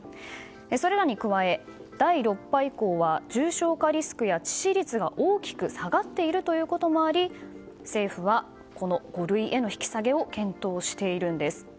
それらに加え、第６波以降は重症化リスクや致死率が大きく下がっていることもあり政府は五類への引き下げを検討しているんです。